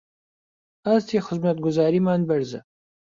ئاستی خزمەتگوزاریمان بەرزە